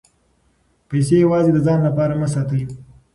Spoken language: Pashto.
پیسې یوازې د ځان لپاره مه ساتئ.